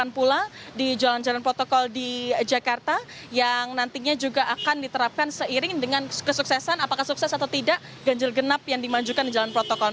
ini jalan jalan protokol di jakarta yang nantinya juga akan diterapkan seiring dengan kesuksesan apakah sukses atau tidak ganjil genap yang dimajukan di jalan protokol